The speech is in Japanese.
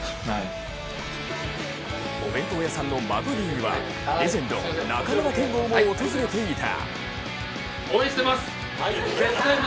お弁当屋さんの鮪牛にはレジェンド・中村憲剛も訪れていた。